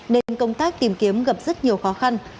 nên công tác tìm kiếm gặp rất nhiều khó khăn